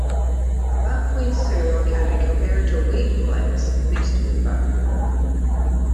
Buc Wheats cereal can be compared to wheat flakes mixed with buckwheat.